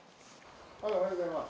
おはようございます。